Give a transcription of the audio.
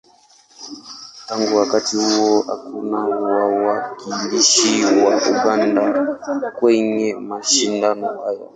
Tangu wakati huo, hakuna wawakilishi wa Uganda kwenye mashindano haya.